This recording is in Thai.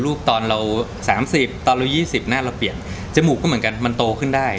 รูปตอนเราสามสิบตอนเรายี่สิบหน้าเราเปลี่ยนจมูกก็เหมือนกันมันโตขึ้นได้